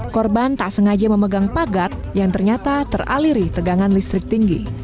korban tak sengaja memegang pagar yang ternyata teraliri tegangan listrik tinggi